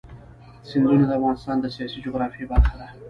سیندونه د افغانستان د سیاسي جغرافیه برخه ده.